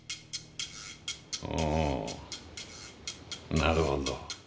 なるほど。